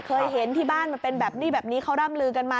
เคยเห็นที่บ้านมันเป็นแบบนี้แบบนี้เขาร่ำลือกันมา